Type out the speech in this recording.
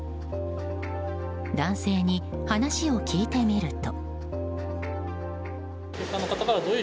男性に話を聞いてみると。